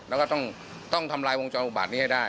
แล้วก็ต้องทำลายวงจรอุบาตนี้ให้ได้